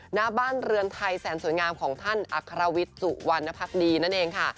หน้าบ้านเรือนไทยแสนสวยงามของท่านอัครวิทย์สุวรรณภักดีนั่นเองค่ะ